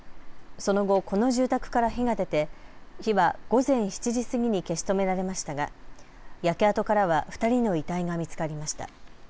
その後、この住宅から火が出て火は午前７時過ぎに消し止められましたが焼け跡からは２人の遺体が見つかりました。